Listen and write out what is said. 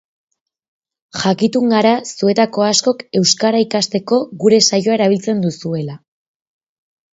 Jakitun gara zuetako askok euskara ikasteko gure saioa erabiltzen duzuela.